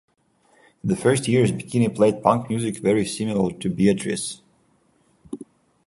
In the first years Bikini played punk music very similar to Beatrice.